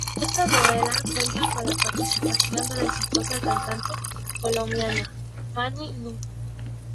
Esta novela cuenta con la participación de la exitosa cantante colombiana Fanny Lu.